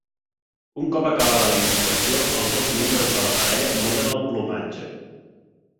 Un cop acabada la incubació, els dos membres de la parella muden el plomatge.